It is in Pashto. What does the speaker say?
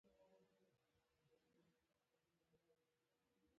سپین پوستو کارګر په ارزانه مزد پر کار ګومارل.